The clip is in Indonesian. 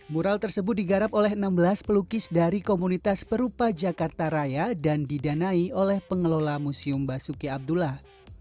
mural tersebut digarap oleh enam belas pelukis dari komunitas perupa jakarta raya dan didanai oleh pengelola museum basuki abdullah